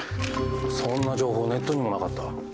そんな情報ネットにもなかった。